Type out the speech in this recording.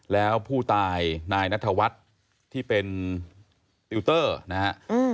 แล้วผู้ตายนายนัทวัฒน์ที่เป็นติวเตอร์นะฮะ